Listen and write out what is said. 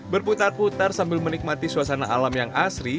berputar putar sambil menikmati suasana alam yang asri